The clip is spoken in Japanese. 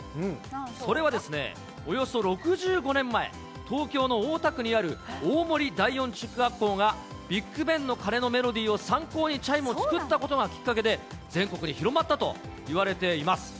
それは、およそ６５年前、東京の大田区にある大森第四中学校がビッグベンの鐘のメロディーを参考に、チャイムを作ったことがきっかけで、全国に広まったといわれています。